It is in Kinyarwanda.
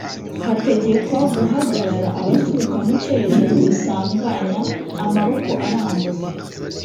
Hategekwa guhagarara abaturuka mu cyerekezo gisanganya amaboko arambuye